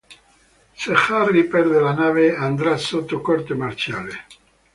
Se Harry perde la nave, andrà sotto corte marziale.